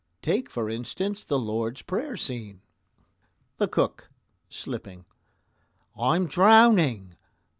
Take, for instance, the Lord's Prayer scene: THE COOK (slipping): I'm drowning!